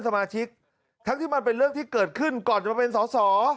สมาชิกทั้งที่มันเป็นเรื่องที่เกิดขึ้นก่อนจะมาเป็นสอสอ